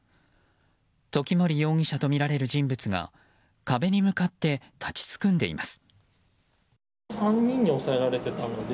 時森容疑者とみられる人物が壁に向かって立ちすくんでいます。